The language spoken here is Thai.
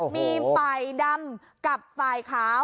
มีฝ่ายดำกับฝ่ายขาว